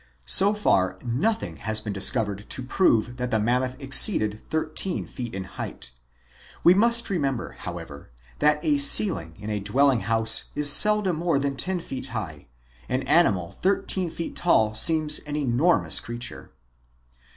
So far nothing has been dis covered to prove that the Mammoth exceeded thir teen feet in height. When we remember, however, that a ceiling in a dwelling house is seldom more than ten feet high, an animal thirteen feet tall seems an enormous creature.